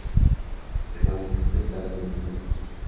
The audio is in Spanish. El manuscrito está bellamente escrito.